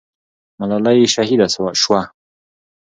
ملالۍ شهیده سوه.